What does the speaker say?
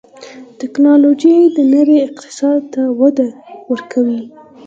ټکنالوجي د نړۍ اقتصاد ته وده ورکوي.